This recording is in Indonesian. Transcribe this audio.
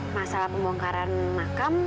masalah pembongkaran makam